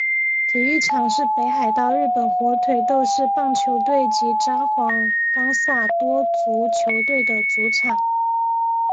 体育场是北海道日本火腿斗士棒球队及札幌冈萨多足球队的主场。